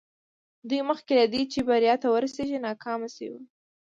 دوی مخکې له دې چې بريا ته ورسېږي ناکام شوي وو.